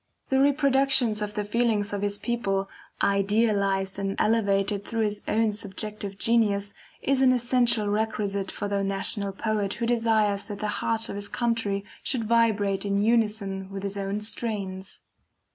The reproduction of the feelings of his people, idealized and elevated through his own subjective genius, is an essential requisite for the national poet who desires that the heart of his country should vibrate in unison with his own strains.